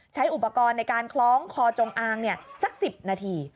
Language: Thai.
ใช้อุปกรณ์ในการคล้องคอจงอางสัก๑๐นาที